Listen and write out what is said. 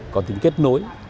có tính kết nối